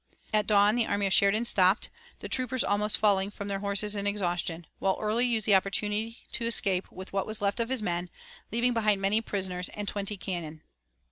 At dawn the army of Sheridan stopped, the troopers almost falling from their horses in exhaustion, while Early used the opportunity to escape with what was left of his men, leaving behind many prisoners and twenty cannon.